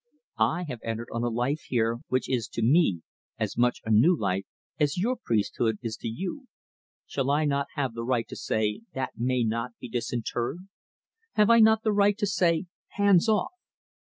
I have entered on a life here which is to me as much a new life as your priesthood is to you. Shall I not have the right to say, that may not be disinterred? Have I not the right to say, Hands off?